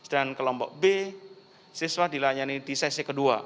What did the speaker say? dan kelompok b siswa dilayani di sesi kedua